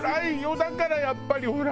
だからやっぱりほら。